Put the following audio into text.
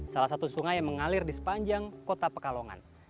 salah satu sungai yang mengalir di sepanjang kota pekalongan